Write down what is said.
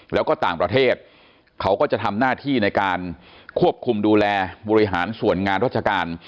แล้วก็ต่างประเทศเขาก็จะทำหน้าที่ในการควบคุมดูแลบริหารส่วนงานราชการ